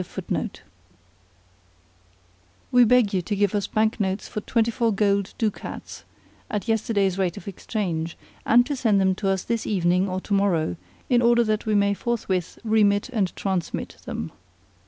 We beg you to give us bank notes for twenty four gold ducats at yesterday's rate of exchange, and to send them to us this evening or to morrow, in order that we may forthwith remit and transmit them.